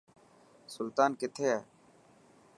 سلطان ڪٿي هي؟